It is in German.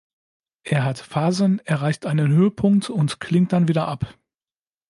Er hat Phasen, erreicht einen Höhepunkt und klingt dann wieder ab.